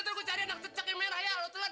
nanti gue cari anak cecek yang merah ya lo telan